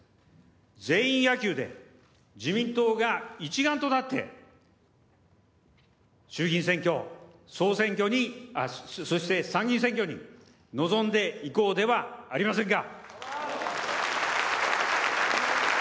全員野球で自民党が一丸となって衆議院選挙、そして参議院選挙に臨んでいこうではありませんか。